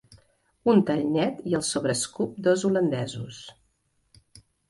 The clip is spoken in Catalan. Un tall net i el sobre escup dos holandesos.